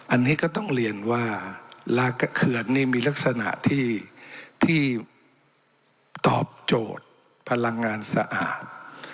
อันนี้ก็ต้องเรียนว่าลากระเขือนนี่มีลักษณะที่ตอบโจทย์พลังงานสะอาด